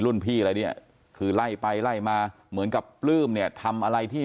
พี่อะไรเนี่ยคือไล่ไปไล่มาเหมือนกับปลื้มเนี่ยทำอะไรที่